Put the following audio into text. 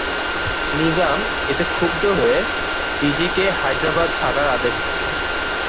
নিজাম এতে ক্ষুব্ধ হয়ে ডি জি কে হায়দ্রাবাদ ছাড়ার আদেশ দেন।